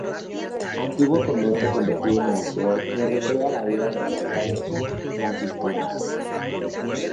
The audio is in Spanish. Antiguo convento convertido en museo que recrea la vida de los frailes franciscanos.